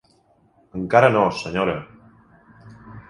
Encara no, senyora.